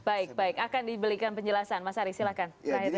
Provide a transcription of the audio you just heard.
baik baik akan diberikan penjelasan mas ari silakan